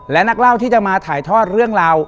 และนักเล่าที่จะมาถ่ายทอดเรื่องราว